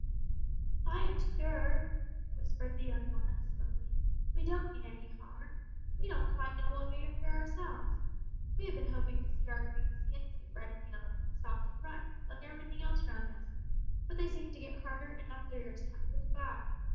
"'I'm sure,' whispered the young walnuts, humbly, 'we don't mean any harm. We don't quite know why we are here ourselves. We have been hoping to see our green skins get red and yellow, and soft and ripe, like everything else round us, but they seem to get harder and uglier as time goes by.